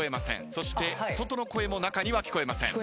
そして外の声も中には聞こえません。